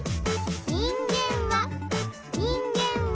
「人間は人間は」